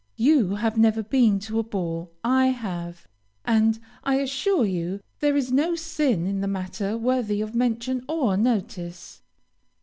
You have never been to a ball, I have; and I assure you there is no sin in the matter worthy of mention or notice."